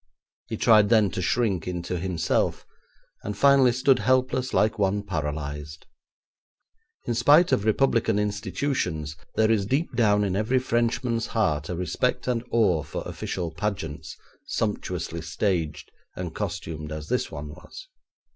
He tried then to shrink into himself, and finally stood helpless like one paralysed. In spite of Republican institutions, there is deep down in every Frenchman's heart a respect and awe for official pageants, sumptuously staged and costumed as this one was.